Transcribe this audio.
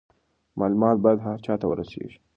معلومات باید هر چا ته ورسیږي.